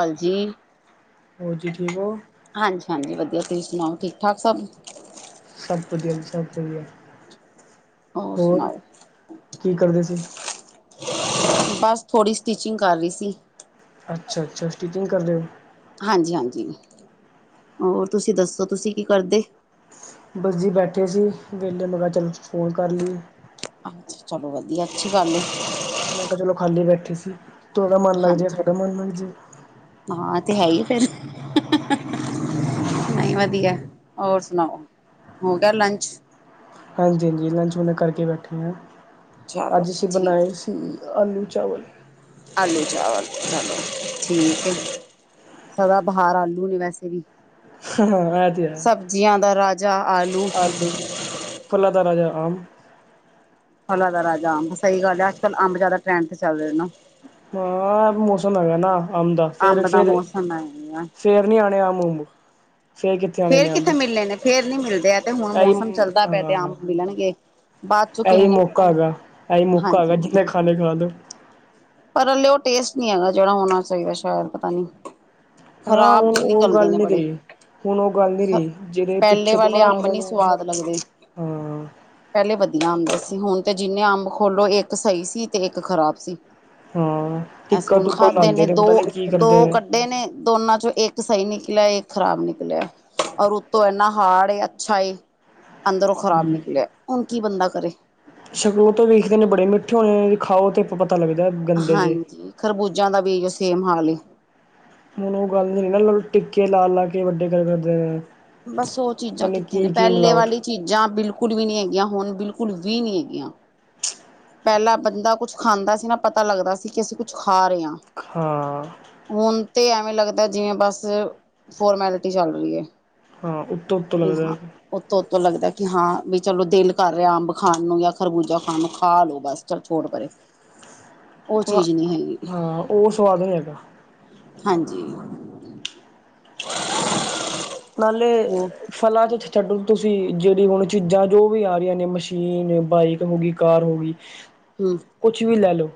ਹਾਂਜੀ ਹੋਰ ਜੀ ਠੀਕ ਹੋ ਹਾਂਜੀ -ਹਾਂਜੀ ਵਦੀਆ ਤੁਸੀਂ ਸੁਣਾਓ ਠੀਕ ਠਾਕ ਸਭ? ਸਭ ਵਧੀਆ ਜੀ ਸਭ ਵਧੀਆ। ਹੋਰ ਕੀ ਕਰਦੇ ਸੀ? ਬਸ ਥੋੜ੍ਹੀਂ ਸਟਿਚਿੰਗ ਕਰ ਰਹੀ ਸੀ। ਅੱਛਾ-ਅੱਛਾ ਸਟਿਚਿੰਗ ਕਰਦੇ ਹੋ । ਹਾਂਜੀ- ਹਾਂਜੀ ਹੋਰ ਤੁਸੀਂ ਦੱਸੋ ਤੁਸੀਂ ਕੀ ਕਰਦੇ? ਹੋ ਬਸ ਜੀ ਬੈਠੇ ਸੀ ਵੇਹਲੇ ਮੈਂ ਕਿਹਾ ਚੱਲ ਫ਼ੋਨ ਕਰ ਲਈਐ। ਅੱਛਾ ਚਲੋ ਵਧੀਆ ਅੱਛੀ ਗੱਲ ਏ। ਮੈਂ ਕਿਹਾ ਚਲੋ ਖਾਲੀ ਬੈਠੀ ਸੀ ਤੁਹਾਡਾ ਮਨ ਲੱਗ ਹਾਂਜੀ ਜੇ, ਸਾਡਾ ਮਨ ਮਨਜੇ। ਹਾਂ ਤੇ ਹੈ ਹੀ ਫਿਰ ਨਹੀਂ ਵਧੀਆ ਹੈ ਹੋਰ ਸੁਣਾਓ ਹੋ ਗਿਆ ਲੰਚ? ਹਾਂਜੀ -ਹਾਂਜੀ ਲੰਚ ਹੁਣੇ ਕਰਕੇ ਬੈਠੇ ਆ ਚਲੋ ਅੱਜ ਅਸੀਂ ਠੀਕ, ਬਣਾਏ ਸੀ ਆਲੂ। ਚਾਵਲ [inaudible] ਆਲੂ, ਚਾਲਵ, ਚਲੋ ਠੀਕ ਏ। ਸਦਾ ਬਹਾਰ ਆਲੂ ਨੇ ਵੈਸੇ ਵੀ। ਹਾਂ ਐ ਤੇ ਐ, ਸਬਜ਼ੀਆਂ ਦਾ ਰਾਜਾ ਆਲੂ। ਆਲੂ ਫਲਾਂ ਦਾ ਰਾਜਾ ਆ ਉਂਚ ਫਲਾਂ ਦਾ ਰਾਜਾ ਅੰਬ, ਸਹੀ ਗੱਲ ਐ। ਅੱਜ ਕੱਲ੍ਹ ਅੰਬ ਜਾ਼ਦਾ ਟਰੈਂਡ ਤੇ ਚੱਲ ਰਿਆ ਨਾਂ। ਬਾ, ਮੌਸਮ ਹੈਗਾ ਨਾ ਆਉਂਦਾ ਸੇਰੇ ਅੰਬ ਦਾ ਸੇਰੇ, ਮੌਸਮ ਹੈ। ਫੇਰ ਨੀ ਆਣੇ ਅੰਬ ਉਂਬ। ਫੇਰ ਕਿੱਥੇ ਮਿਲਣੇ ਨੇ, ਫੇਰ ਨੀ ਮਿਲਦੇ। ਐ ਤੇ ਹੁਣ ਮੌਸਮ ਇਹੀ ਚੱਲਦਾ ਪਿਆ ਤੇ ਆਮ ਮਿਲਣਗੇ। ਬਾਅਦ ਚੋਂ ਕਿਸੇ ਐਹੀ ਨੇ ਮੌਕਾ ਹੈਗਾ, ਐਹੀ ਮੌਕਾ ਹਾਂਜੀ ਹੈਗਾ, ਜਿੰਨੇ ਖਾਣੇ ਖਾਲੋ। ਪਰ ਹਲੇ ਉਹ ਟੇਸਟ ਨਹੀਂ ਹੈਗਾ, ਜਿਹੜਾ ਹੋਣਾ ਚਾਈਦਾ, ਸੈ਼ਦ ਪਤਾ ਨਹੀਂ। ਹਾਂ ਓ-ਓਹ ਗੱਲ ਨੀਗੀ। ਹੁਣ ਉਹ ਗੱਲ ਨੀ ਰੀ, ਜਿਹੜੇ ਪਹਿਲੇ ਪਿੱਛੋਂ ਤੋਂ ਨਾ ਵਾਲੇ ਆਂ, ਅੰਬ ਦ ਨੀ ਨਾ ਸਵਾਦ ਲੱਗਦੇ। ਹਾਂ। ਪਹਿਲੇ ਵਧੀਆ ਆਂਦੇ ਸੀ। ਹੁਣ ਤੇ ਜਿੰਨੇਂ ਅੰਬ ਖੋਲੋ ਇੱਕ ਸਹੀ ਸੀ ਤੇ ਇੱਕ ਖ਼ਰਾਬ ਸੀ। ਹਾਂ ਅਸੀਂ ਟਿੱਕਾ ਹੁਣ ਟੁੱਕਾ ਖਾਧੇ ਲਾਉਂਦੇ ਨੇ ਦੋ। ਪਤਾ ਨੀ ਕੀ ਕਰਦੇ ਦੋ ਕੱਢੇ ਨੇ ਦੋਨਾਂ ਚੋਂ ਇੱਕ ਸਹੀ ਨਿਕਲਿਆ, ਇੱਕ ਖ਼ਰਾਬ ਨਿਕਲਿਆ। ਔਰ ਉੱਤੋਂ ਇੰਨਾ ਹਾਰਡ ਏ, ਅੱਛਾ ਏ ਅੰਦਰੋਂ ਖ਼ਰਾਬ ਨਿਕਲਿਆ, ਹੁਣ ਕੀ ਬੰਦਾ ਕਰੇ। ਸ਼ੁਰੂ ਤੋਂ ਵੇਖਦੇ ਨੇ ਬੜੇ ਮਿੱਠੇ ਹੋਏ, ਖਾਓ ਤੇ ਪਤ ਹਾਂਜੀ! ਖਰਬੂਜਾਂ ਦਾ ਵੀ ਏਈ ਓ ਸੇਮ ਹਾਲ ਏ। ਹੁਣ ਉਹ ਗੱਲ ਨੀ ਨਾ ਮਲਬ, ਟਿੱਕੇ ਲਾ ਲਾ ਕੇ ਵੱਡੇ ਗੱਲ ਕਰਦੇ ਵੇ ਆ। ਬਸ ਉਹ ਚੀਜ਼ਾਂ ਕਿੱਥੇ ਨੇ, ਪਹਿਲੇ ਵਾਲੀ ਚੀਜ਼ਾਂ ਬਿਲ ਕੁੱਡ ਵੀ ਨਹੀਂ ਹੈਗੀਆਂ, ਹੁਣ ਬਿਲਕੁੱਲ ਵੀ ਨਹੀਂ ਹੈਗੀਆਂ। ਪਹਿਲਾਂ ਬੰਦਾ ਕੁਛ ਖਾਂਦਾ ਸੀ ਨਾ, ਪਤਾ ਲੱਗਦਾ ਸੀ ਕਿ ਅਸੀਂ ਕੁਛ ਖਾ ਖਾ ਰਿਆਂ। ਹਾਂ ਹੁਨ ਤੇ ਐਵੇਂ ਲੱਗਦਾ ਜਿਵੇਂ ਬਸ ਫੋਰਮੈਲਿਟੀ ਚੱਲ ਰਹੀ ਏ ਹਾਂ ਉੱਤੋਂ-ਉੱਤੋਂ ਲੱਗਦਾ ਹੈ ਫੇਰ ਤੋ ਲੱਗਦਾ ਕੀ ਹਾਂ ਵੀ ਚਲੋ, ਦਿਲ ਕਰ ਰਿਹਾ ਅੰਬ ਖਾਣ ਨੂੰ ਜਾਂ ਖਰਬੂਜ਼ਾ ਖਾਣ ਨੂੰ ਖਾ ਲੋ ਬਸ ਚੱਲ ਛੋੜ ਪਰੇ। ਉਹ ਹ, ਚੀਜ਼ ਨਹੀਂ ਹੈਗੀ ਹਾਂ ਓਹ ਸਵਾਦ ਨੀ ਹੈਗਾ। ਹਾਂਜੀ। ਨਾਲੇ ਉਹ ਫਲਾਂ ਚ ਛੱਡੂ ਤੁਸੀਂ ਜਿਹੜੀ ਹੁਣ ਚੀਜ਼ਾਂ ਜੋ ਵੀ ਆ ਰੀਆਂ ਨੇ ਮਸ਼ੀਨ, ਬਾਈਕ ਹੋ ਗੀ, ਕਾਰ ਹੋ ਗੀ ਹਮ ਕੁਛ ਵੀ ਲੈ ਲੋ।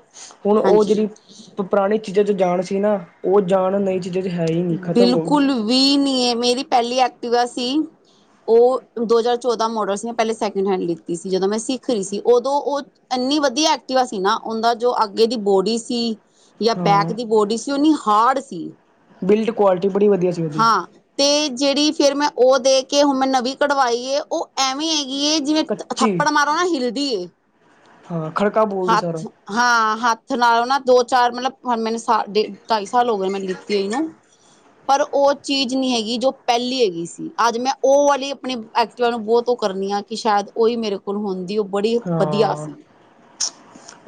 ਹੁਣ ਉਹ ਹਾਂਜੀ। ਜਿਹੜੀ ਪੁਰਾਣੀ ਚੀ ਜਾਂ ਚ ਜਾਣ ਸੀ ਨਾ ਉਹ ਜਾਣ ਨਈ ਚੀਜ਼ਾਂ ਚ ਹੈ ਹੀ ਨਹੀਂ ਖਤਮ ਹੋ ਗਈ ਬਿਲਕੁਲ ਵੀ ਨੀ ਏ, ਮੇਰੀ ਪਹਿਲੀ ਐਕਟੀਵਾ ਸੀ ਉਹ ਦੋ ਹਜ਼ਾਰ ਚੌਦਾਂ ਮੋਡਲ ਸੀ। ਮੈਂ ਪਹਿਲੇ ਸੈਕਿੰਡ ਹੈਂਡ ਲਿੱਤੀ ਸੀ, ਜਦੋਂ ਮੈਂ ਸਿੱਖ ਰਹੀ ਸੀ। ਓਦੋਂ ਓਹ ਏਨ ਇੰਨੀ ਵਧੀਆ ਐਕਟਿਵਾ ਸੀ ਨਾ, ਓਂਦਾ ਜੋ ਅੱਗੇ ਦੀ ਬੋਡੀ ਸੀ ਯਾ ਹਾਂ ਬੈਕ ਦੀ ਬੋਡੀ ਸੀ, ਓ ਏਨੀ ਹਾਰਡ ਸੀ। ਬਿਲਡ ਕੁਆਲਿਟੀ ਬੜੀ ਵਧੀਆ ਸੀ ਉਹਦੀ ਹਾਂ, ਤੇ ਜਿਹੜੀ ਫੇਰ ਮੈਂ ਉਹ ਦੇ ਕੇ ਹੁਣ ਮੈਂ ਨਵੀ ਕਢਵਾਈ ਏ, ਓਹ ਐਵੇਂ ਹੈਂ ਏਹ ਜਿਵੇਂ ਕੱਚੀ ਥੱਪੜ ਮਾਰੋ ਨਾ, ਹਿਲਦੀ ਏ। ਹਾਂ ਖੜਕਾ ਬੋਲਦੀ ਸਾਰਾ ਹੱਥ, ਹਾਂ ਹੱਥ ਨਾਲੋ ਨਾ ਦੋ ਚਾਰ ਮਤਲਬ ਹੁਣ ਮੈਨੂੰ ਸਾਲ, ਡੇਡ ਢਾਈ ਸਾਲ ਹੋ ਗਏ ਮੈਨੂੰ ਲਿੱਤੀ ਹੋਈ ਨੂੰ ਪਰ ਉਹ ਚੀਜ਼ ਨੀ ਹੈਗੀ, ਜੋ ਪਹਿਲੀ ਹੈਗੀ ਸੀ। ਅੱਜ ਮੈਂ ਉਹ ਵਾਲੀ ਆਪਣੀ ਐਕਟਿਵਾ ਨੂੰ ਬਹੁਤ ਓ ਕਰਨੀਆਂ ਕਿ ਸ਼ਾਇਦ ਉਹੀ ਮੇਰੇ ਕੋਲ ਹੁੰਦੀ, ਉਹ ਬੜੀ ਵਧੀਆ ਹਾਂ ਸੀ।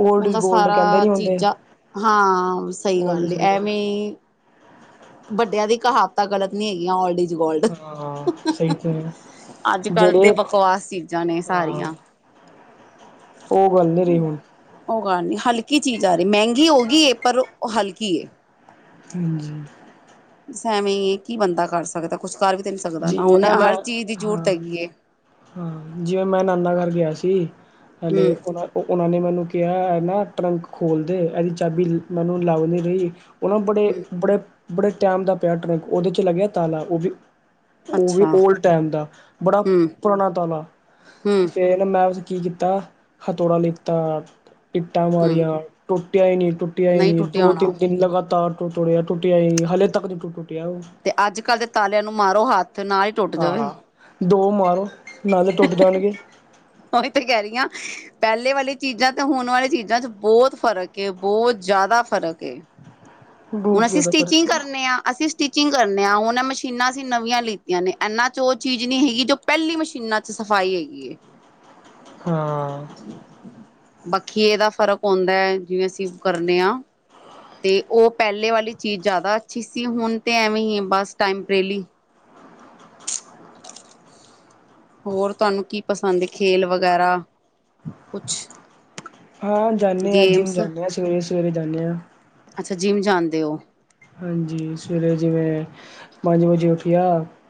ਓਲਡ ਇਜ ਓਂਦਾ ਗੋਲਡ ਸਾਰਾ ਕਹਿੰਦੇ ਨੀ ਹੁੰਦੇ ਚੀਜ਼ਾਂ, ਹਾਂ ਸਹੀ ਓਲਡ ਗੱਲ ਇਜ ਏ। ਗੋਲਡ ਐਵੇ ਈ ਵੱਡਿਆਂ ਦੀ ਕਹਾਵਤਾਂ ਗਲਤ ਨੀ ਹੈਗੀਆਂ, ਔਲਡ ਇਜ਼ ਹਾਂ ਸਹੀ ਤੇ ਹੈ। ਅੱਜ ਕੱਲ੍ਹ ਜਿਹੜੇ ਤੇ ਬਕਵਾਸ ਚੀਜ਼ਾਂ ਨੇ ਹਾਂ ਸਾਰੀਆਂ। ਉਹ ਗੱਲ ਨੀ ਰਹੀ ਹੁਣ ਉਹ ਗੱਲ ਨੀ, ਹਲਕੀ ਚੀਜ਼ ਆ ਰੀ। ਮੈਂਗੀ ਹੋ ਗੀ ਏ, ਪਰ ਓ ਹਲਕ ਕੀ ਏ। ਹਾਂਜੀ। ਬਸ ਐਵੇਂ ਈ ਏ, ਕੀ ਬੰਦਾ ਕਰ ਸਕਦਾ, ਕੁਛ ਕਰ ਵੀ ਤੇ ਨੀ ਸਕਦਾ ਜਿਵੇਂ ਉਹਨੇ ਨਾ ਮੈਂ, ਹਰ ਚੀਜ਼ ਦੀ ਜ਼ਰੂਰਤ ਹਾਂ ਹੈਗੀ ਏ ਹਾਂ, ਜਿਵੇਂ ਮੈਂ ਨਾਨਾ ਘਰ ਗਿਆ ਸੀ। ਸੀ ਹਲੇ ਹੂੰ ਉਨਾ ਉਹਨਾਂ ਨੇ ਮੈਨੂੰ। ਕਿਹਾ ਇਹ ਨਾਂ ਟਰੰਕ ਖੋਲਦੇ ਇਹਦੀ ਚਾਬੀ ਮੈਨੂੰ ਲਭ ਨੀ ਰਹੀ। ਉਹਨਾ ਹੂੰ ਬੜੇ-ਬੜੇ ਬੜੇ ਟੈਮ ਦਾ ਪਿਆ ਟਰੰਕ ਉਹਦੇ 'ਚ ਲੱਗਿਆ ਤਾਲਾ ਉਹ ਵੀ। ਉਹ ਵੀ ਅੱਛਾ ਓਲਡ ਟਾਈਮ ਦਾ ਬੜਾ ਹੂੰ ਪੁਰਾਣਾ ਤਾਲਾ ਹੂੰ ਫੇਰ ਮੈਂ। ਕੀ ਕੀਤਾ ਹਥੋੜਾ ਲਿਤਾ ਇੱਟਾਂ ਹੂੰ ਮਾਰੀਆਂ ਟੁੱਟਿਆ ਹੀ ਨੀ। ਟੁੱਟਿਆ ੲ ਨਹੀਂ ਨੀ ਟੁੱਟਿਆ ਦੋ ਤਿੰਨ ਹੋਣਾ ਦਿਨ ਲਗਾਤਾਰ ਤੋੜਿਆ ਟੁੱਟਿਆ ਹੀ ਨੀ ਹਲੇ ਤੱਕ ਨਹੀਂ ਟੁਟ। ਤੇ ਅੱਜ ਕੱਲ੍ਹ ਦੇ ਤਾਲਿਆਂ ਨੂੰ ਮਾਰੋ ਹੱਥ ਨਾਲ ਹੀ ਟੁੱਟ ਜਾਵੇ। ਹਾਂ ਦੋ ਮਾਰੋ ਨਾਲ ਟੁੱਟ ਜਾਣਗੇ। ਉਹੀ ਤੇ ਕਹਿ ਰਹੀ ਹਾਂ ਪਹਿਲੇ ਵਾਲੀ ਚੀਜ਼ਾਂ ਤੇ ਹੁਣ ਵਾਲੀ ਚੀਜ਼ਾਂ ਚ ਬਹੁਤ ਫ਼ਰਕ ਬਹੁਤ ਜ਼ਿਆਦਾ ਫ਼ਰਕ। ਹੁਣ ਬਹੁਤ ਅਸੀਂ ਜ਼ਿਆਦਾ ਸਟਿਚਿੰਗ ਫ਼ਰਕ ਕਰਨੇ ਹਾਂ ਅਸੀਂ। ਸਟਿਚਿੰਗ ਕਰਨੇ ਆ ਹੁਨ ਏ ਮਸ਼ੀਨਾਂ ਅਸੀਂ ਨਵੀਆਂ ਲਿੱਤੀਆਂ ਨੇ ਇਹਨਾਂ ਚ ਉਹ ਚੀਜ਼ ਨਹੀ ਹੈਗੀ ਜੋ ਪਹਿਲੀ ਮਸ਼ੀਨਾਂ ਚ ਸੀ। ਸਫ਼ਾਈ ਹੈਗੀ ਏ। ਹਾਂ। ਬਾੱਖੀਏ ਦਾ ਫ਼ਰਕ ਆਉਂਦਾ ਹੈ ਜਿਵੇਂ ਅਸੀਂ ਕਰਨੇ ਹਾਂ ਤੇ ਉਹ। ਪਹਿਲੇ ਵਾਲੀ ਚੀਜ਼ ਜ਼ਿਆਦਾ ਅੱਛੀ ਸੀ ਹੁਣ ਤਾਂ ਐਵੇਂ ਹੀ ਬਸ ਟਾਈਮਪ੍ਰੇਲੀ। ਹੋਰ ਤੁਹਾਨੂੰ ਕੀ ਪਸੰਦ ਹੈ ਖੇਲ ਵਗੈਰਾ। ਕੁਛ ਹਾਂ ਜਾਂਦੇਂ ਹਾਂ ਜਿੰਮ ਗੇਮਸ ਜਾਂਦੇ ਹਾਂ ਸਵੇਰੇ-ਸਵੇਰੇ ਜਾਂਦੇ ਹਾਂ। ਦਿਉ। ਹਾਂਜੀ ਸਵੇਰੇ ਜਿਵੇਂ ਪੰਜ ਵਜੇ ਉੱਠਿਆ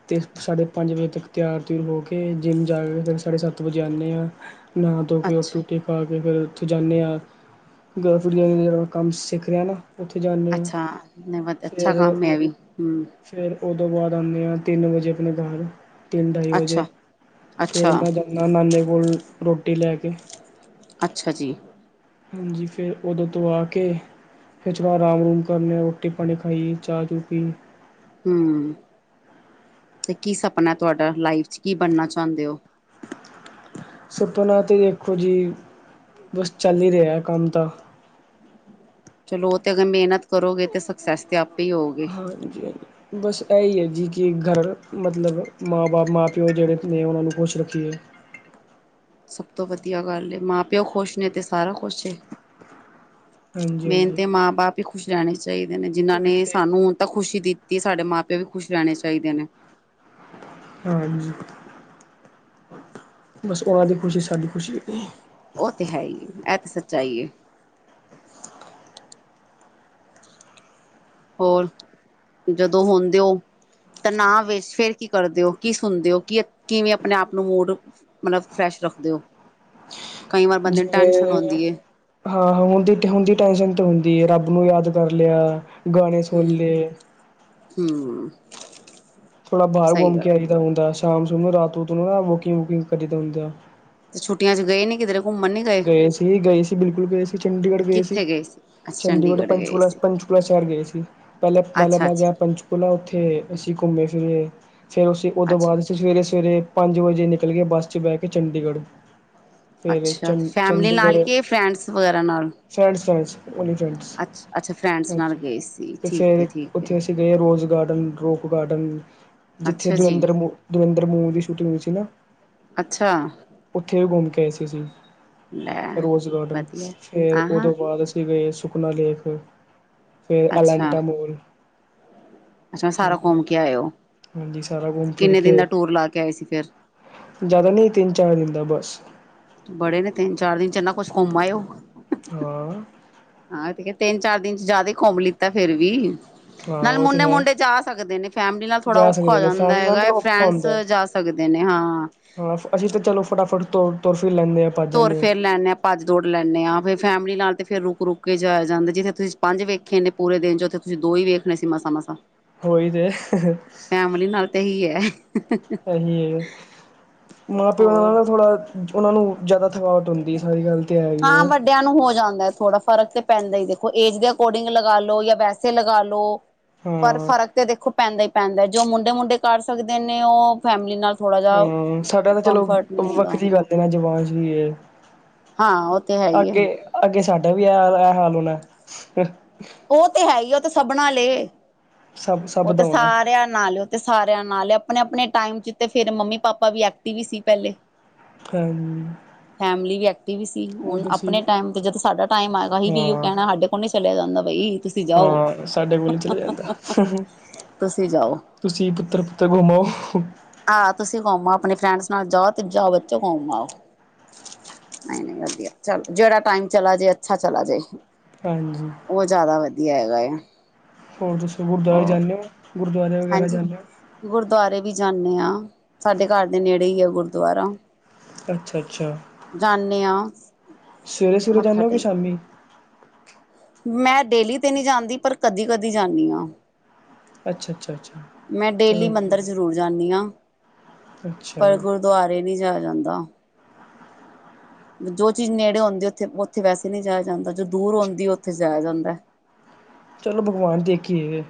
ਤੇ ਸਾਢੇ ਪੰਜ ਵਜੇ ਤੱਕ। ਤਿਆਰ ਤਿਉਰ ਹੋ ਕੇ ਜਿੰਮ ਜਾ ਕੇ ਫਿਰ ਸਾਡੇ ਸੱਤ ਵਜੇ ਆਂਉਦੇ ਹਾਂ। ਨਹਾ ਧੋ ਕੇ ਰੋਟੀ ਅੱਛਾ ਰੁਟੀ ਖਾ ਕੇ ਫੇਰ। ਉੱਥੇ ਜਾਂਦੇ ਆਂਗਲਪੜੀਆਂ ਦਾ ਜਾ ਕੰਮ ਸਿੱਖ ਲਿਆ ਨਾ ਉੱਥੇ ਜਾਂਦੇ ਆਂ। ਨ ਬਹੁਤ ਅੱਛਾ ਕੰਮ ੲ ਏਵੀ, ਹੁੰ। ਉਹਦੋ ਬਾਅਦ ਆਉਂਦੇ ਹਾਂ ਤਿੰਨ ਵਜੇ ਆਪਣੇ ਘਰ। ਤਿੰਨ ਢਾਈ ਵਜੇ ਅੱਛਾ ਫਿਰ ਅੱਛਾ ਮੈਂ ਜਾਂਣਾ ਨਾਨੇ ਕੋਲ ਰੋਟੀ ਲੈ ਕੇ। ਅੱਛਾ ਜੀ। ਹਾਂਜੀ, ਫਿਰ ਉਦੋਂ ਤੋਂ ਆ ਕੇ ਫਿਰ ਜਰਾ ਆਰਾਮ- ਉਰੂਮ ਕਰ ਲਿਆ। ਰੋਟੀ- ਪਾਣੀ ਖਾਈ, ਚਾਹ ਚੂ ਪੀ। ਹਮ ਤੇ ਕੀ ਸਪਨਾ ਹੈ ਤੁਹਾਡਾ? ਲਾਈਫ ਚ ਕੀ ਬਣਨਾ ਚਾਹੁੰਦੇ ਹੋ? [inaudible] [inaudible] ਸੁਪਨਾ ਤੇ ਦੇਖੋ ਜੀ, ਬਸ ਚੱਲ ਹੀ ਰਿਹਾ ਹੈ ਕੰਮ ਤਾਂ। ਚਲੋ ਉਹ ਤੇ ਅਗਰ ਮਿਹਨਤ ਕਰੋਗੇ ਤੇ ਸਕਸੈਸ । ਹਾਂਜੀ- ਹਾਂਜੀ ਬਸ ਏਹੀ । ਜੀ ਕਿ ਘਰ ਮਤਲਬ ਮਾਂ- ਬਾਪ, ਮਾਂ- ਪਿਓ ਜਿਹੜੇ ਨੇ ਉਹਨਾਂ ਨੂੰ ਖੁਸ਼ ਰੱਖੀਏ। [inaudible] [inaudible] ਸਭ ਤੋਂ ਵਧੀਆ ਗੱਲ ਏ ਮਾਂ-ਪਿਓ ਖੁਸ਼ ਨੇ ਤੇ ਸਾਰਾ ਖੁਸ਼ ਹੈ। ਹਾਂਜੀ ਮੇਨ ਹਾਂਜੀ ਤੇ ਮਾਂ- ਬਾਪ ਹੀ ਖੁਸ਼ ਰਹਿਣੇ। ਚਾਹੀਦੇ ਨੇ, ਜਿਹਨਾਂ ਉਹੀ ਨੇ ਤੇ ਸਾਨੂੰ ਤਾਂ ਖੁਸ਼ੀ ਦਿੱਤੀ, ਸਾਡੇ ਮਾਂ-ਪਿਓ ਵੀ ਖੁਸ਼ ਰਹਿਣੇ ਚਾਹੀਦੇ ਨੇ। ਹਾਂਜੀ। ਬਸ ਉਹਨਾਂ ਦੀ ਖੁਸ਼ੀ ਸਾਡੀ ਖੁਸ਼ੀ ਹੇਗੀ। ਉਹ ਤੇ ਹੈ ਹੀ ਏ, ਇਹ ਤੇ ਸੱਚਾਈ ਏ। [inaudible] [inaudible] ਹੋਰ ਜਦੋਂ ਹੋਂਦੇ ਓ। ਤਨਾਵ ਵਿੱਚ ਫੇਰ ਕੀ ਕਰਦੇ ਹੋ? ਕੀ ਸੁਣਦੇ ਹੋ, ਕੀ ਕਿਵੇਂ ਆਪਣੇ ਆਪ ਨੂੰ ਮੂਡ ਮਤਲਬ। ਰੱਖਦੇ ਹੋ। ਕਈ ਵਾਰ ਬੰਦੇ ਨੂੰ ਟੈਨਸ਼ਨ ਜਿਵੇਂ ਆਉਂਦੀ ਹੈ ਹਾਂ ਹੁੰਦੀ ਤੇ ਹੁੰਦੀ ਟੈਂਸ਼ਨ ਦੀ ਰੱਬ ਨੂੰ ਯਾਦ ਕਰ ਲਿਆ, ਗਾਣੇ ਸੁਣ ਲਏ। ਹਮ। ਥੋੜਾ ਬਾਹਰ ਸਹੀ ਘੁੰਮ ਕੇ ਗੱਲ ਆਈਦਾ ਹੁੰਦਾ। ਸ਼ਾਮ- ਸੂ਼ਮ, ਰਾਤ- ਰੂਤ ਨੂੰ ਨਾ ਵੋਕਿੰਗ-ਵੂਕਿੰਗ ਕਰੀਦਾ ਹੁੰਦਾ। ਤੇ ਛੁੱਟੀਆਂ ਚ ਗਏ ਨੀ ਕਿਧਰੇ ਘੁੰਮਣ ਨੀ ਗਏ ਸੀ-ਗਏ ਸੀ ਬਿਲਕੁਲ ਗਏ ਸੀ, ਚੰਡੀਗੜ੍ਹ ਗਏ ਸੀ। ਕਿੱਥੇ ਅੱਛਾ ਚੰਡੀਗੜ੍ਹ, ਗਏ ਪੰਚਕੂਲਾ, ਸੀ ਪੰਚਕੂਲਾ ਸ਼ਹਿਰ ਗਏ ਸੀ। ਪਹਿਲਾਂ ਪਹਿਲਾਂ ਅੱਛਾ ਮੈਂ ਗਿਆ ਅੱਛਾ ਪੰਚਕੂਲਾ ਉੱਥੇ ਅਸੀ ਘੁੰਮੇ- ਫਿਰੇ। ਫਿਰ ਅਸੀਂ ਉਹਦੋਂ ਅੱਛਾ ਬਾਅਦ, ਅਸੀਂ ਸਵੇਰੇ- ਸਵੇਰੇ ਪੰਜ ਵਜੇ ਨਿਕਲ ਗਏ ਬੱਸ ਚ ਬਹਿ ਕੇ ਚੰਡੀਗੜ੍ਹ। ਫਿਰ ਅੱਛਾ ਚੰ ਫੈਮਿਲੀ ਨਾਲ, ਚੰਡੀਗੜ੍ਹ ਕਿ ਫਰੈਂਡਸ ਵਗੈਰਾ ਨਾਲ? ਫਰੈਂਡਸ ਫਰੈਂਡਸ ਓਨਲੀ ਫਰੈਂਡਸ, ਅੱਛਾ ਅੱਛਾ ਫਰੈਂਡਸ ਨਾਲ ਹਾਂਜੀ, ਗਏ ਸੀ ਤੇ ਠੀਕ ਹੈ ਫੇਰ ਠੀਕ ਹੈ ਉੱਥੇ ਅਸੀਂ ਗਏ ਰੋਜ਼ਗਾਰਡ ਰੋਪ ਗਾਰਡਨ ਜਿੱਥੇ ਅੱਛਾ ਜੀ ਧੁਰਿੰਦਰ ਮੂਵੀ ਤੁਰਿੰਦਰਬਮੂਵੀ ਦੀ ਸ਼ੂਟਿੰਗ ਹੋਈ ਸੀ ਨਾ। ਅੱਛਾ ਉੱਥੇ ਵੀ ਘੁੰਮ ਕੇ ਆਏ ਸੀ ਅਸੀ। ਲੈ ਰੋਜ਼ ਗਾਰਡਨ, ਵਧੀਆ ਫੇਰ ਆਹਾਂ ਓਦੋਂ ਬਾਅਦ ਅਸੀਂ ਗਏ ਸੁਕਨਾ ਲੇਖ, ਫੇਰ ਅੱਛਾ ਐਲੈਂਟਾਮੋਲ। ਅੱਛਾ, ਸਾਰਾ ਘੁੰਮ ਕੇ ਆਇ ਓ ਹਾਂਜੀ ਸਾਰਾ ਘੁੰਮ ਕਿੰਨੇ ਦਿਨ ਦਾ ਟੂਰ ਲਾ ਕੇ ਆਏ ਸੀ ਫਿਰ? ਜਿਆਦਾ ਨਹੀਂ, ਤਿੰਨ- ਚਾਰ ਦਿਨ ਦਾ ਬਸ। ਬੜੇ ਨੇ ਤਿੰਨ ਚਾਰ- ਦਿਨ ਚ ਇਹਨਾ ਕੁਛ ਘੁੰਮ ਆਏ ਓ। ਹਾਂ। ਹਾਂ ਤੇ ਤਿੰਨ- ਚਾਰ ਦਿਨ ਚ ਜ਼ਿਆਦਾ ਹੀ ਘੁੰਮ ਲਿੱਤਾ ਫੇਰ ਵੀ। ਹਾਂ ਨਾਲ ਉਹ ਤੇ ਮੁੰਡੇ- ਹੈ ਮੁੰਡੇ ਜਾ ਸਕਦੇ ਨੇ, ਫੈਮਿਲੀ ਨਾਲ ਥੋੜਾ ਜਾ ਔਖਾ ਹੋ ਸਕਦੇ ਨੇ ਜਾਂਦਾ ਫੈਮਲੀ ਹੈਗ। ਨਾਲ ਥੋੜਾ ਔਖਾ ਫਰੈਂਡਸ ਹੁੰਦਾ ਜਾ ਸਕਦੇ ਦੇ, ਨੇ ਹਾਂ ਹਾਂ ਅਸੀਂ ਤਾਂ ਚਲੋ ਫਟਾਫਟ ਤੋ ਤੁਰ- ਫੇਰ ਲੈਂਦੇ ਆਾਂ। ਭੱਜ -ਦੌੜ ਲੈਂਦੇ ਆਾਂ, ਫੇਰ ਫੈਮਿਲੀ ਨਾਲ ਤੇ ਫੇਰ ਰੁਕ ਕੇ ਜਾਇਆ ਜਾਂਦਾ, ਜਿੱਥੇ ਤੁਸੀਂ ਪੰਜ ਵੇਖੇ ਨੇ ਪੂਰੇ ਦਿਨ ਚ, ਉੱਥੇ ਤੁਸੀਂ ਦੋ ਹੀ ਵੇਖਣੇ ਸੀ ਮਸਾਂ- ਮਸਾਂ। ਹਾਂ ਉਹੀ ਤੇ ਫੈਮਲੀ ਨਾਲ ਤਾਂ ਏਹੀ ਹੈ। ਸਹੀ ਹੈ। ਮਾਂ-ਪਿਓ ਦਾ ਹੋਰ। ਨਾ ਥੋੜਾ ਉਹਨਾਂ- ਨੂੰ ਜ਼ਿਆਦਾ ਥਕਾਵਟ ਹੁੰਦੀ ਹੈ। ਸਾਰੀ ਗੱਲ ਤਾਂ ਹੈਗੀ ਐ ਵੈਸੇ ਥੋੜਾ ਫਰਕ ਤੇ ਪੈਂਦਾ ਹੀ ਦੇਖੋ ਏਜ ਦੇ ਅਕੋਰਡਿੰਗ ਲਗਾਾਲੋ ਜਾਂ ਵੈਸੇ ਲਗਾ ਲੋ, ਪਰ ਹਾਂ ਫ਼ਰਕ ਤੇ ਦੇਖੋ ਪੈਂਦਾ ਹੀ ਪੈਂਦਾ ਜੋ ਮੁੰਡੇ ਮੁੰਡੇ ਕਰ ਸਕਦੇ ਨੇ ਉਹ ਫੈਮਿਲੀ ਨਾਲ,, ਥੋੜਾ ਜਾ ਹੂੰ ਸਾਡੀ ਤਾਂ ਚਲੋ ਕੰਫਰਟ ਨਹੀਂ ਹੁੰਦਾ ਵੱਖਰੀ ਗੱਲ ਦੇ ਨਾ ਜਵਾਨ ਚ ਵੀ ਇਹ ਹਾਂ ਉਹ ਤੇ ਹੈ ਹੀ ਹੈ ਅੱਗੇ ਅੱਗੇ ਸਾਡਾ ਵੀ ਇਹ ਹਾਲ ਹੋਣਾ, ਉਹ ਤੇ ਹੈ ਹੀ ਉਹ ਤੇ ਸਭ ਨਾਲ ਹੈ, ਸਭ ਸਭ ਉਹ ਤੇ ਦਾ ਹੋਣਾ ਸਾਰਿਆਂ ਨਾਲ ਉਹ ਤੇ ਸਾਰਿਆਂ ਨਾਲ ਆਪਣੇ ਆਪਣੇ, ਟਾਈਮ ਚ ਤੇ ਫਿਰ ਮੰਮੀ ਪਾਪਾ ਵੀ ਐਕਟਿਵ ਹੀ ਸੀ ਪਹਿਲੇ, ਹਨ, ਫੈਮਲੀ ਵੀ ਐਕਟਿਵ ਸੀ ਹੁਣ ਤੁਸੀਂ ਆਪਣੇ ਟਾਈਮ ਤੇ ਜਦੋਂ ਸਾਡਾ ਟਾਈਮ ਆਏਗਾ ਆਪਾ ਵੀ ਇਹੋ ਹਾਂ ਕਹਿਣਾ ਸਾਡੇ ਕੋਲ, ਚਲਿਆ ਜਾਦਾ ਬਈ, ਤੁਸੀਂ ਜਾਓ ਹਾਂ ਸਾਡੇ ਕੋਲ ਨੀ ਚਲਿਆ ਜਾਂਦਾ, ਤੁਸੀਂ ਜਾਓ ਤੁਸੀਂ ਪੁੱਤਰ ਪੁੱਤਰ ਘੁੰਮੋ, ਆਹ ਤੁਸੀ ਘੁੰਮ ਆੳ ਆਪਣੀ ਫਰੈਂਡਸ ਨਾਲ ਜਾਓ ਤੇ ਜਾਓ ਬੱਚੋ ਘੁੰਮ ਆਓ, ਨਹੀਂ ਨਹੀਂ ਵਧੀਆ ਚੱਲ ਜਿਹੜਾ ਟਾਈਮ ਚਲਾ ਜੇ ਅੱਛਾ ਚਲਾ ਜਾਏ, ਹਾਂਜੀ! ਕੀ ਹਾਲ ਹੈ? ਹੋਰ ਦੱਸੋ ਤੁਸੀਂ ਗੁਰਦੁਆਰੇ ਜਾਂਦੇ ਹੋ। ਗੁਰਦੁਆਰੇ ਵਗੈਰਾ ਹਾਂਜੀ,,,, ਜਾਂਦੇ ਹੋ ਗੁਰਦੁਆਰੇ ਵੀ ਜਾਂਦੇ ਹਾਂ ਸਾਡੇ ਘਰ ਦੇ ਨੇੜੇ ਹੀ ਆ ਗੁਰ, ਦੁਆਰਾ,, ਅੱਛਾ ਅੱਛਾ! ਹਾਂ ਸਵੇਰੇ ਸਵੇਰੇ ਮੱਥਾ ਜਾਂਦੇ ਹੋ ਕਿ ਟੇਕ ਕੇ। ਸ਼ਾਮੀ? ਮੈਂ ਡੇਲੀ ਤੇ ਨਹੀਂ ਜਾਂਦੀ ਪਰ ਕਦੀ ਕਦੀ ਜਾਂਦੀ ਹਾਂ, ਅੱਛਾ ਅੱਛਾ ਅੱਛਾ ਮੈਂ ਡੇਲੀ ਚਲੋ ਵਧੀਆ ਮੰਦਰ ਜ਼ਰੂਰ ਜਾਂਦੀ ਹਾਂ, ਅੱਛਾ ਪਰ ਗੁਰਦੁਆਰੇ ਨਹੀ ਜਾਇਆ ਜਾਂਦਾ, ਜੋ ਚੀਜ਼ ਨੇੜੇ ਆਉਦੀ ਉੱਥੇ ਉੱਥੇ ਵੈਸੇ ਨਹੀਂ ਜਾਇਆ ਜਾਂਦਾ ਜੋ ਦੂਰ ਆਉਦੀ ਉੱਥੇ ਜਾਇਆ ਜਾਂਦਾ। ਚਲੋ ਭਗਵਾਨ ਦੇਖੀਏ।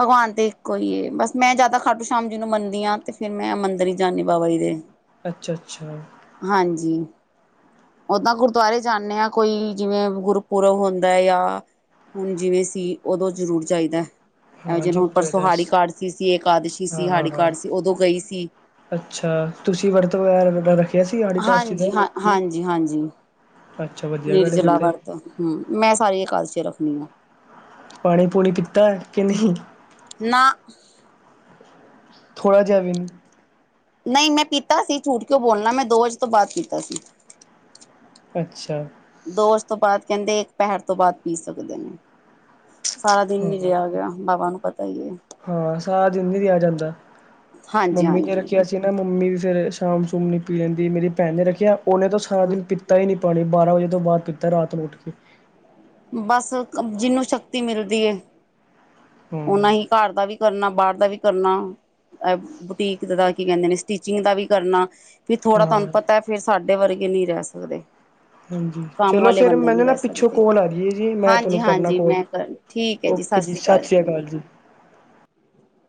ਭਗਵਾਨ ਤੇ ਇੱਕੋ ਹੀ ਬਸ ਮੈਂ ਜ਼ਿਆਦਾ ਖਾਟੂ ਸ਼ਾਮ ਜਿਹਨੂੰ ਮੰਨਦੀ ਹਾਂ ਤੇ ਫਿਰ ਮੈਂ ਮੰਦਰ ਹੀ ਜਾਂਦੀ ਬਾਬਾ ਜੀ ਦੇ। ਅੱਛਾ ਅੱਛਾ। ਜੀ। ਉਦਾਂ ਗੁਰਦੁਆਰੇ ਜਾਂਦੇ ਹਾਂ ਕੋਈ ਜਿਵੇਂ ਗੁਰਪੁਰਬ ਹੁੰਦਾ ਹੈ ਜਾਂ। ਹੁਣ ਜਿਵੇਂ ਸੀ ਉਦੋਂ ਜ਼ਰੂਰ ਚਾਹੀਦਾ। ਹਾਂ ਜਿਹਨੂੰ ਹੁਣ ਜ਼ਰੂਰ ਪਰਸੋਂ ਚਾਹੀਦਾ ਹੜੀ ਕਾਰਡ ਸੀ, ਏਕਾਦਸ਼ੀ ਸੀ ਹਾਂ ਹਾਂ ਹੜੀ ਹਾਂ ਕਾਰਡ ਸੀ ਉਦੋਂ ਗਈ ਸੀ। [unintelligible] [unintelligible] ਕਾਸ਼ਤੀ ਹਾਂਜੀ ਦਾ ਹਾਂ ਹਾਂਜੀ ਹਾਂਜੀ। ਅੱਛਾ ਵਧੀਆ ਗੱਲ ਹੈ ਫਿਰ ਨਿਰਜਲਾ ਤੇ ਵਰਤ ਹਮ ਮੈਂ ਸਾਰੀ ਇਕਾਦਸ਼ੀ ਰੱਖਦੀ ਆ, ਪਾਣੀ ਪੂਣੀ ਪੀਤਾ ਕਿ ਨਹੀਂ। ਨਾ। ਥੋੜਾ ਜਾ ਵੀ ਨਹੀਂ। ਨਹੀਂ ਮੈਂ ਪੀਤਾ ਸੀ ਝੂਠ ਕਿਉਂ ਬੋਲਣਾ ਮੈਂ ਦੋ ਵਜੇ ਤੋਂ ਬਾਅਦ ਪੀਤਾ ਸੀ। ਅੱਛਾ। ਦੋਸ਼ ਤੋਂ ਬਾਅਦ ਕਹਿੰਦੇ ਇੱਕ ਪਹਿਰ ਤੋਂ ਬਾਅਦ ਪੀ ਸਕਦੇ ਨੇ। ਸਾਰਾ ਦਿਨ ਹੀ ਹਾਂ ਰਿਹਾ ਗਿਆ ਬਾਬਾ ਨੂੰ। ਪਤਾ ਹੀ ਹੈ ਹਾਂ ਸਾਰਾ ਦਿਨ ਨੀ ਰਿਹਾ ਜਾਂਦਾ, ਹਾਂਜੀ ਮੰਮੀ ਨੇੇ ਹਾਂਜੀ। ਰੱਖਿਆ ਸੀ ਨਾ ਮੰਮੀ ਵੀ। ਫਿਰ ਸ਼ਾਮ ਸੁੂਮ ਨੀ ਪੀ ਲੈਂਦੀ ਮੇਰੀ ਭੈਣ ਨੇ ਰੱਖਿਆ ਉਹਨੇ ਤਾਂ ਸਾਰਾ ਦਿਨ ਪੀਤਾ ਹੀ ਨੀ। ਪਾਣੀ ਬਾਰਾਂ ਵਜੇ ਤੋਂ ਬਾਅਦ ਪੀਤਾ ਰਾਤ ਨੂੰ ਉੱਠ ਕੇ। ਬਸ ਜਿਹਨੂੰ ਸ਼ਕਤੀ ਮਿਲਦੀ ਹੈ ਹਾਂ ਓਨਾ ਹੀ ਘਰ ਦਾ ਵੀ। ਕਰਨਾ ਬਾਹਰ ਦਾ ਵੀ ਕਰਨਾ, ਬੁਟੀਕ ਦਾ ਕੀ ਕਹਿੰਦੇ ਨੇ, ਸਟਿਚਿੰਗ ਦਾ ਵੀ ਕਰਨਾ। ਵੀ ਥੋੜਾ ਤੁਹਾਨੂੰ ਹਾਂ ਪਤਾ ਫਿਰਰਸਾਡੇ ਵਰਗੇ ਨਹੀਂ ਰਹਿ ਸਕਦੇ। ਹਾਂਜੀ ਕੰਮ ਚਲੋ ਵਾਲੇ ਫਿਰ ਬੰਦੇ ਮੈਨੂੰ ਨਹੀਂ ਨਾ ਰਹਿ ਪਿੱਛੋਂ ਸਕਦੇ ਕੋਲ। ਕਰਲੀਏ ਜੀ ਮੈਂ ਹਾਂਜੀ ਤੁਹਨੂੰ ਕਰਨਾ ਹਾਂਜੀ ਕੋਲ, ਮੈਂ ਕਰ ਠੀਕ ਹੈ ਓਕੇ ਜੀ ਸ਼੍ਰੀ ਸਤਿ ਸ੍ਰੀ ਅਕਾਲ ਜੀ। [inaudible] [inaudible]